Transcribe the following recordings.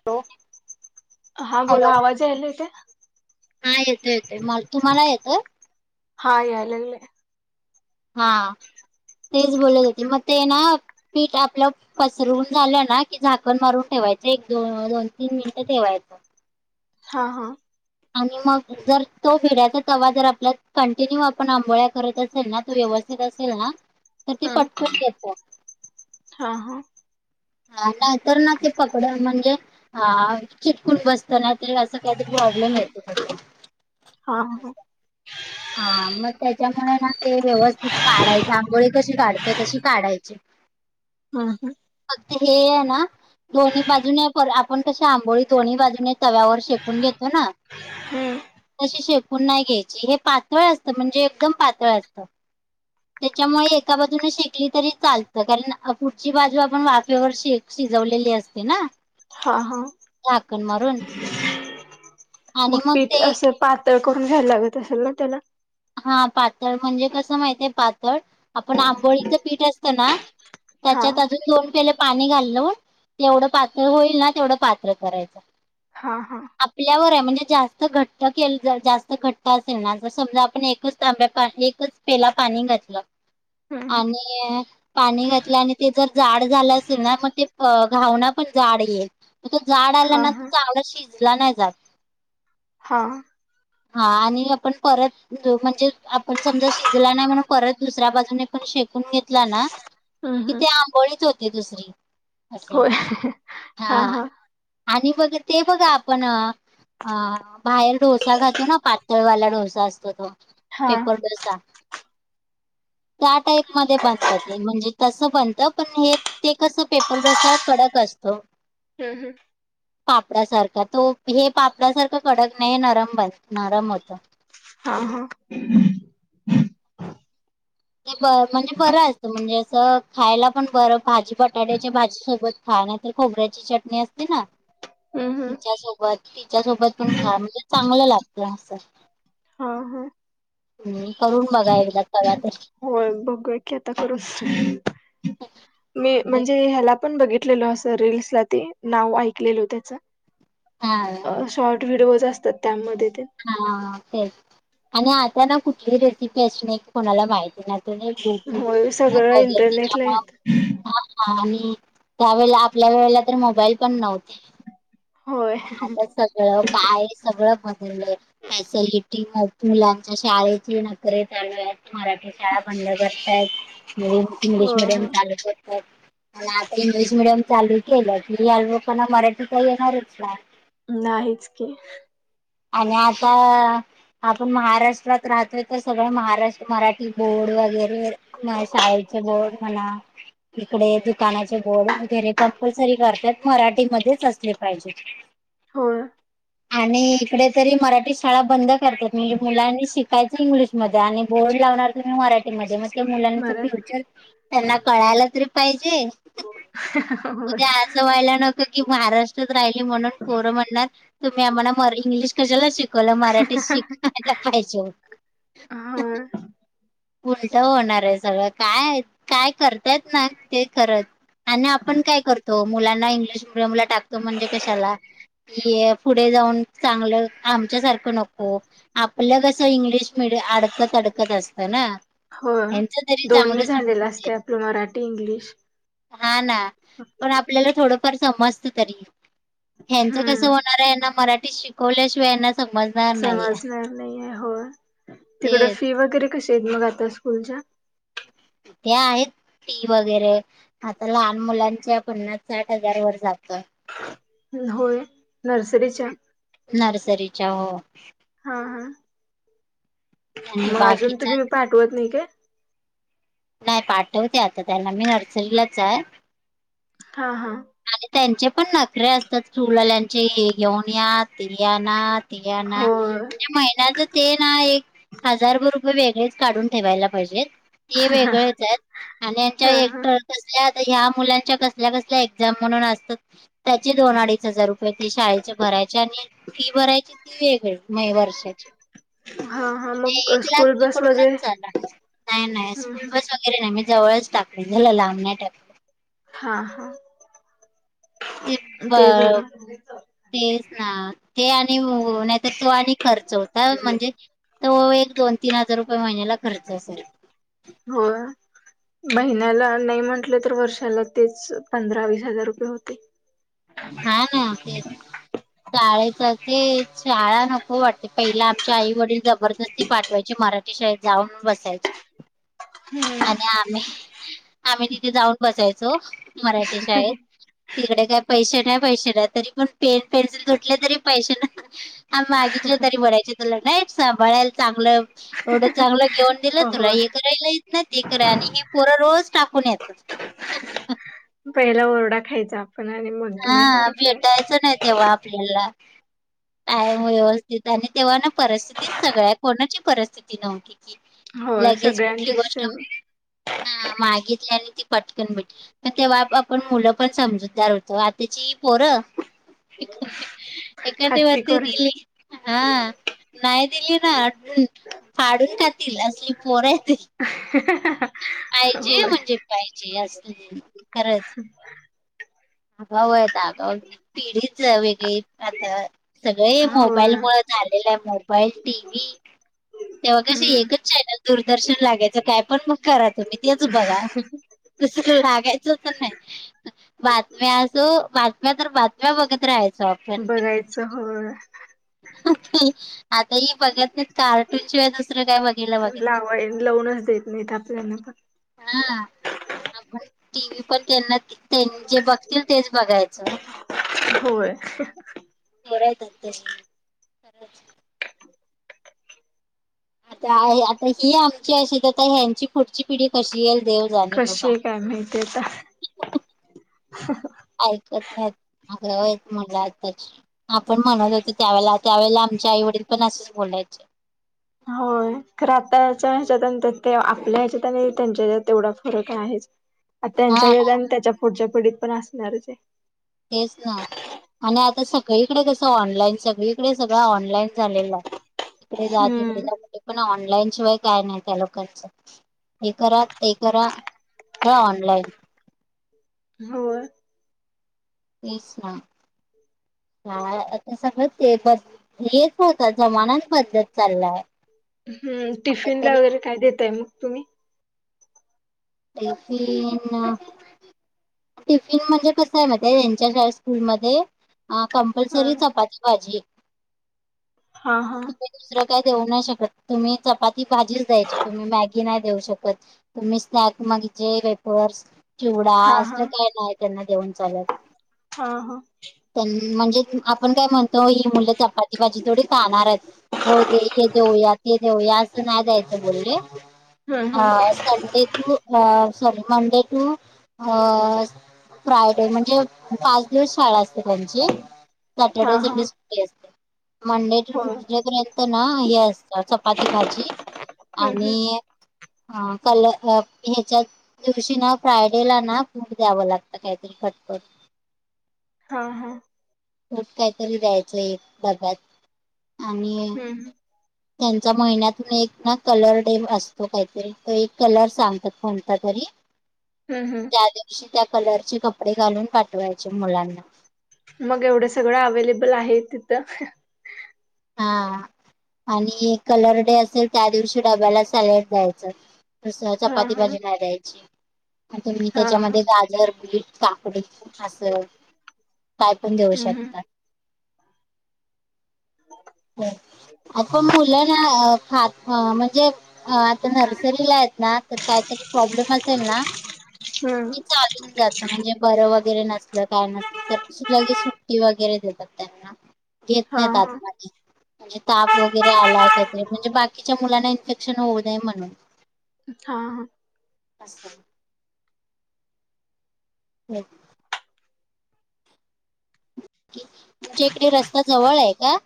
[unintelligible] हा बोला हॅलो आवाज यायलाय काय? हा येतोय येतोय. म [unintelligible] तुम्हाला येतोय? हा याय लागलाय. हा तेच बोलत होते मग ते ना पीठ आपलं पसरवून झाल्या ना की झाकण मारून ठेवायचं एक, दो दोन तीन मिनिटं ठेवायचं? हा हा. आणि मग जर तो बिड्याचा तवा जर आपल्यात कंटिन्यू आपण आंबोळ्या करत असेल ना तो व्यवस्थित असेल ना तर ते ह.. पटकन येतं हा हा. अ नाहीतर ना ते पकड म्हणजे अ चिटकुट बसत नाहीतरी असं काहीतरी प्रॉब्लेम येतो हा हा हा. हा मग त्याच्यामुळे ना ते व्यवस्थित काढायच आंबोळी कशी काढत तशी काढायची.? [unintelligible] हम हम, फक्त हे आहे ना दोन्ही बाजूने पर आपण कशी आंबोळी दोन्ही बाजूने तव्यावर शेकून घेतो ना हम्म तशी शेकून नाही घ्यायची. हे पातळ असत म्हणजे एकदम पातळ असत. [unintelligible] त्याच्यामुळे एका बाजूने शेकली तरी चालतं, कारण पुढची बाजू आपण वाफेवर शक शिजवलेली असते ना!? हा हा झाकण मारून आणि मग पीठ ते असं पातळ करून घ्यायला लागत असेल ना त्याला? हा! पातळ म्हणजे कसं माहित आहे पातळ? आपण आंबोळीचं पीठ असतं ना हा त्याच्यात अजून दोन पेले पाणी घालुण जेवढं पातळ होईल ना तेवढं पातळ करायचं. हां हां! आपल्यावर आहे. म्हणजे जास्त घट्ट केलं जास्त घट्ट असेल ना जर समजा आपण एकच तंब्या पा एकच पेला पाणी घातलं हम्म आणि पाणी घातलं आणि ते जर जाड झालं असेल ना मग ते घावना पण जाड येईल. तो जाड आला हा ना हा चांगला शिजला नाही जात.? हा! हा आणि आपण परत म्हणजे आपण समजा शिजला नाही म्हणून परत दुसऱ्या बाजूने पण शेकून घेतला ना हम्म कि हम्म ती आंबोळीच होती दुसरी. असं होय हा आणि मग ते बघा आपण अ बाहेर डोसा खातो ना पातळवाला डोसा असतो तो हा पेपर डोसा त्या टाईप मध्ये बनत ते म्हणजे तसं बनत पण हे ते कसं पेपर डोसा कडक असतो. ह हम्म पापडासारखा तो हे पापडासारखा कडक नाही नरम बन नरम होत. हा हा ते ब म्हणजे बरं असतो म्हणजे असं खायला पण बरं भाजी बटाट्याच्या भाजी सोबत खा नाही तर खोबऱ्याची चटणी असते ना हम्म तिच्या सोबत तिच्या सोबत पण खा म्हणजे चांगलं लागत असं हा हा हम्म करून बघा एकदा तवा ते होय बघूया की आता करून मी तरी म्हणजे ह्याला पण बघितलेलो असं रील्सला ते नाव ऐकलेल त्याचं हा शॉर्ट व्हिडिओज असतात त्यामध्ये ते हा तेच आणि आता ना कुठली रेसिपी अशी नाही कोणाला माहिती नाही. गोटू होय सगळं वगैरे इंटरनेटला त्याच्या येत. हा हा आणि त्यावेळेला आपल्या वेळेला तर मोबाईल पण नव्हते. होय. आता सगळं काय सगळं बदलय. फॅसिलिटी मुलांच्या शाळेची नखरे चालू आहेत. मराठी शाळा बंद करताय. म्हणून इंग्लिश हो मिडियम हो चालू करतात. पण आता इंग्लिश मिडियम चालू केलं की अल्ब कोना मराठीचा येणारच नाही. नाहीच की आणि आता आपण महाराष्ट्रात राहतोय तर सगळं महाराष्ट्र मराठी बोर्ड वगैरे म शाळेचे बोर्ड म्हणा इकडे दुकानाचे बोर्ड वगैरे कंपल्सरी करतात मराठीमध्येच असले पाहिजे. [unintelligible] होय आणि इकडे तरी मराठी शाळा बंद करतात म्हणजे मुलांनी शिकायच इंग्लिशमध्ये आणि बोर्ड लावणार तुम्ही मराठी- -मध्येे मग त्या मुलांच मराठी फ्युचर त्यांना कळायला तरी पाहिजे. होय. उद्या असं व्हायला न- -को की महाराष्ट्रात राहिली म्हणून पोरं म्हणणार तुम्ही आम्हाला म इंग्लिश कशाला शिक- -वला मराठीत शिकायला पाहिजे होतं. ह उलट होणार आहे सगळं काय काय करतायत ना ते खर आणि आपण काय करतो मुलांना इंग्लिश मिडियमला टाकतो म्हणजे कशाला पुढे जाऊन चांगलं आमच्या सारखं नको आपलं कस इंग्लिश मिडी अडकत अडकत असत ना होय ह्यांच तरी चांगलं दोन्ही झालेलं सुट असते आपलं मराठी इंग्लिश हा ना पण आपल्याला थोडंफार समजत तरी ह्यांच कस हम्म मराठी शिकवल्या शिवाय समजणार नाही समजणार नाहीए होय, तिकड ते फी वगैरे कशी आहेत मग आता स्कूलच्या. ते आहेत फी वगैरे. आता लहान मुलांच्या पन्नास-साठ हजारवर जातय. होय नर्सरीच्या नर्सरीच्या हो. हा हा, आणि मग अजुन बाकीचा तुम्ही पाठवत नाही का. नाय पाठवते आता त्यांना मी नर्सरीलाच जातात. हा हा. आणि त्यांचे पण नखरे असतात. स्कुल वाल्यांचे हे घेऊन या ते आणा. ते आणा होय म्हणजे महिन्याच ते ना एक हजारभर रुपये वेगळेच काढून ठेवायला पाहिजेत. ते वेगळच आहेत. आणि यांच्या हा हा एकतर कसल्या ह्या मुलांच्या कसल्या कसल्या ज्या म्हणून असतात. त्याचे दोन अडीच हजार रुपये ते शाळेचे भरायचे आणि फी भरायची ती वेगळीच. नाही वर्षाची हा हा म्हणजे मग एक स्कूल लाख बस वगैरे पकडूनच चला. नाय नाय स्कूल बस वगैरे नाय. मी जवळच टाकलय त्याला लांब नाय टाकल. हा हा. टी ते पाव बरं तेच ना ते आणि हो नाहीतर तो आणि खर्च होता. म्हणजे तो एक दोन तीन हजार रुपये महिन्याला खर्च असतो. होय. महिन्याला नाही म्हटलं तर वर्षाला तेच पंधरा वीस हजार रुपये होतील. हा ना तेच शाळेच तेच शाळा नको वाटते. पहिले आमच्या आई-वडील जबरदस्ती पाठवायचे. मराठी शाळेत जाऊन बसायचे. आणि आम्ही-आम्ही तिथे जाऊन बसायचो मराठी शाळेत. तिकडे काय पैसे नाही फैसे नाही, तरी पण पेन पेन्सिल तुटले तरी पैसे नसायचे. आम्ही मागितलं तरी म्हणायचे तुला नाही येतं सांभाळायला चांगलं. एवढं चांगलं घेऊन दिलं तुला होय हे करायला येत नाही ते करा, आणि ही पोरं रोज टाकून येतात. [unintelligible] पहिला ओरडा खायचा आपण आणि मग मिळणार आपल्याला. मिळायच नाही तेव्हा आपल्याला, कायम व्यवस्थित आणि तेव्हा ना परिस्थिती सगळ आहे. कोणाची परिस्थिती नव्हती की होय लगेच सगळ्यांचे कुठली गोष्ट सेम हा मागितली आणि ती पटकन भेटली, तेव्हा आपण मुलं पण समजूतदार होतो. तवा आताची ही पोरं. एखादी हट्टी वस्तू खोर दिली आहेत की हा नाय दिली ना फाडून खातील असली पोर आहेत. [unintelligible] पाहिजे होय म्हणजे पाहिजे ह्यासनी खरच. आगावयेत आगाव, पिढीच वेगळी. आता सगळे मोबाईल होय मुळ झालेल आहे मोबाईल टीव्ही तेव्हा कसे हम्म एकच चॅनल दूरदर्शन लागायचं. काय पण मग करा तुम्ही तेच बघा. दुसर लागायचं तर नाही. आता मी असो बातम्या तर बातम्या बघत राहायच. बघायचं होय. आता ही बघत नाही. कार्टून शिवाय दुसरं काय बघायला बघतात. [unintelligible] लउनच देत नइत आपल्याला पण हा आपण टीव्ही पण त्यांन तेनी जे बघतील तेच बगायचं. होय. [unintelligible] काय आता ही आमची अशी गत हाय, आता ह्यांची पुढची पिढी कशी येईल देव जाणे कशी बाबा ये काय माहिती आता. [unintelligible] [unintelligible] ऐकत नायत. आगरवायत मुल आत्ताची. आपण म्हणत होतो त्यावेळेला, त्यावेेळेला आमचे आईवडील पण असंच बोलायचे. होय खरं आता याच्या हेज्यात आणि ते आपल्या हेज्यात आणि त्यांच्या हेजेत तेवडा फरक आहेच. आ तेंच्या हा हेजात आणि तेच्या पुढच्या पिढीत पण असणारचय. तेच ना. आणि आता सगळीकडे कसं, ऑनलाईन. सगळीकडे सगळं, ऑनलाईन झालेलाय ईकडे जा, तिकडे हम्म जा. कुठं पण, ऑनलाईन शिवाय काय नाय. त्या लोकांच. हे करा, ते करा. करा ऑनलाईन. होय. तेच ना. हम्. ह, आता सगळं ते ब च हेच होत. जमानाच बदलत चाललाय. हम आता टिफिनला तरी वगैरे काय देताय, मग तुमी? टिफीन. टिफीन म्हणजे कसाय मताय तेंच्या शाळ स्कूलमदे आ हा कंपलसरी चपाती भाजी. हा, हा. तुम्ही दुसरं काय देऊ नाय शकत. तुम्ही चपाती भाजीच द्यायची. तुम्ही मॅगी नाय देऊ शकत. तुमीच स्नॅक म्हणचे वेपर्स, चिवडा हा असलं हा काय नाय, त्यांना देऊन चालत. हा, हा. त्यान, म्हणजे आपण काय म्हण तो, ही मुलं चपाती भाजी थोडी खाणारयत. रोज हे देऊया. ते देऊया. अस नाय द्यायचं बोल्ले. हम्म आ हम्म Sunday to sorry Monday to uh Friday. म्हणजे पाच दिवस शाळा असते त्यांची. सॅटर्डे हा - हा संडे सुट्टी असते. मंडे टू हो ट्युजडे पर्यंत ना हे असतं. चपाती- भाजी हम्म हम्म आणि हा कल ह फ हेच्यात दिवशी ना, फ्रायडेला ना, फ्रुट द्यावं लागतं कायतरी खटपट. [inaudible] हा, हा. फ्रुट कायतरी द्यायचं, एक डब्यात आणि हम्म त्यांचा महिन्यातून एक ना, कलर डे असतो. काहीतरी. तो एक कलर सांग त कोणता तरी. हंम, हंम त्या दिवशी, त्या कलरचे कपडे घालून पाठवायचे मुलांना. मग एवढं सगळं अवे्लेबल आहे तिथं. हा. आणि कलर डे असेल, त्या दिवशी डब्याला सॅलड द्यायचं. तसं हा चपाती हा भाजी नाही द्यायची. तुम्ही हा हा त्याच्यामध्ये गाजर, बीट काकडी असं, काय पण देऊ हम्म हम्म शकता. ह. आप मुलं ना, खात म्हणजे आता नर्सरीलायत ना, तर काहीतरी प्रॉब्लेम असेल ना हम्म की चालून जात. म्हणजे बरं वगैरे नसलं. काय नसलं. तर सु लगे सुट्टी वगैरे देतात त्यांना. येत हा नाहीत आत हा मधी. म्हणजे ताप वगैरे आला, कायतरी म्हणजे बाकीच्या मुलांना, इन्फेक्शन होऊ नये म्हणून. हा हा असं हो तुमच्या इकडे रस्ता जवळ आहे का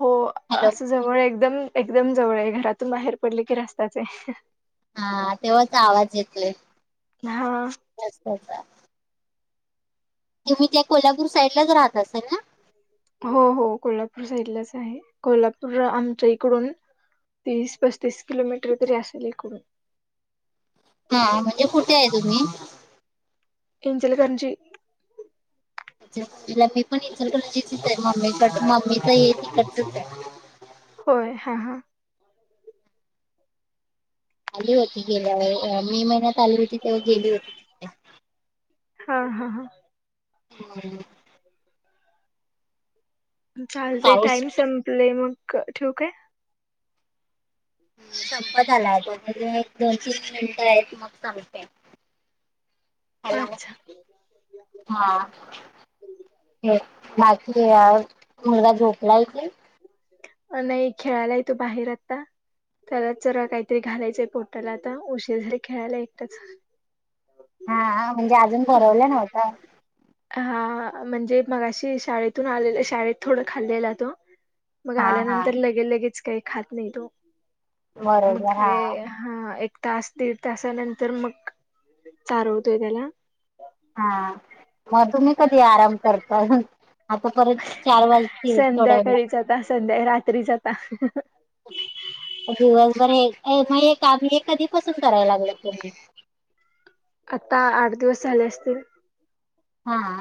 हो हॅलो अस जवळ एकदम एकदम जवळ आहे घरातून बाहेर पडले की रस्ताचे ये हा तेव्हाच आवाज येत नाही हा तुम्ही त्या कोल्हापूर साईडलाच राहत असाल ना हो हो कोल्हापूर साईडलाच आहे कोल्हापूर आमच्या इकडून तीस पस्तीस किलोमीटर तरी असेल इकडून हा म्हणजे कुठे आहे तुम्ही ईंजलकरजी लम्मी मी पण इचलकरंजी चीच आहे मम्मीक मम्मी तर ये तिकतचच ये होय हा हा आली होती गेल्या वेळी अ मे महिन्यात होती तेव्हा गेली होती तिकडे हा हा हा होय चालतय पाऊस टाईम संपले मग ठेवू काय संपत आलाय तो म्हणजे एक दोन तीन मिनिट आहेत मग सांगते हॅलो अच्छा हा हे बाकी अ मुलगा झोपलाय की अ नाही खेळायला ये तो बाहेर आता त्यालाच जरा काहीतरी घालायचय पोटाला आता उशीर झाले खेळायला एकटाच हा आ म्हणजे अजून भरवल नव्हत हा हा म्हणजे मगाशी शाळेतून आलेला शाळेत थोड खाल्लेला तो मग हा हा. आल्यानंतर लगे लगेच काही खात नाही तो बरोबर मग हा. हा एक तास दिड तासानंतर मग चारवतोय त्याला हा तुम्ही कधी आराम करता आता परत चार वाजतील थोड्या वेळात संध्याकाळीच आता संध्या रात्रीच आता दिवसभर हे म हे काम कधी पासून करायला लागला तुम्ही आत्ता आठ दिवस झाले असतील हा आ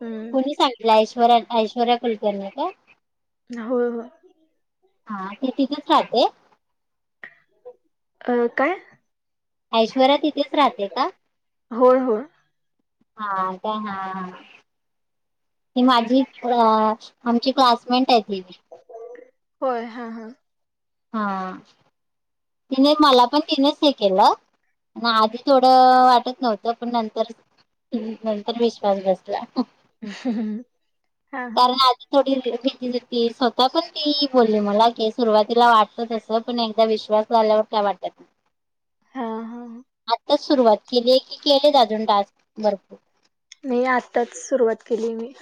हम्म कुणी सांगितल ऐश्वर्या ऐश्वर्या कुलकर्णी का होय होय हा ति तिथेच राहते अ काय ऐश्वर्या तिथेच राहते का होय होय हा आता हा हा ही माझी अ आमची क्लासमेट आहे ती! होय हा हा, हा तिने मला पण तिनेच हे केल, म आधी थोड वाटत नव्हत पण नंतर, हम् नंतर विश्वास बसला? हा हा, कारण आधी थोडी भिती होती स्वतः पण ती बोलली मला की सुरवात. तिला वाटत तस पण एकदा विश्वास झाल्यावर काय वाटत नाही? हा हा आत्ताच सुरुवात केलीये की केलेत अजून टास्क भरपूर, नाही आत्ताच सुरुवात केलीये मी?